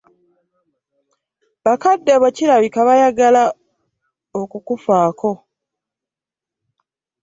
Bakadde bo kirabika baagayaala okukufaako.